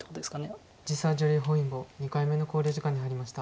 藤沢女流本因坊２回目の考慮時間に入りました。